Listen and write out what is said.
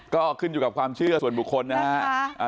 ก็ขึ้นอยู่กับความเชื่อส่วนบุคคลนะฮะ